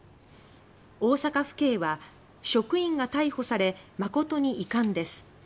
大阪府警は「職員が逮捕され誠に遺憾です。